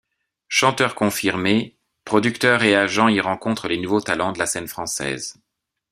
Chanteurs confirmés, producteurs et agents y rencontrent les nouveaux talents de la scène française.